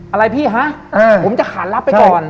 อะไรพี่ฮะผมจะขานรับไปก่อน